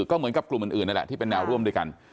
ก็เหมือนกับกลุ่มอื่นนั่นแหละที่เป็นแนวร่วมด้วยกัน